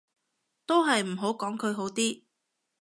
都係唔好講佢好啲